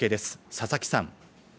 佐々木さん。